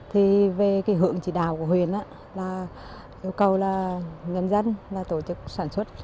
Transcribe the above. thì về cái hưởng chỉ đào của huyền là yêu cầu là nhân dân là tổ chức sản xuất